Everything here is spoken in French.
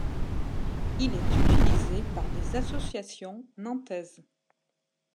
Il est utilisé par des associations nantaises.